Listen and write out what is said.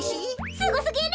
すごすぎる！